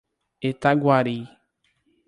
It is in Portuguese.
Itaguari